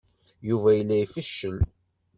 Yuba yella ifeccel.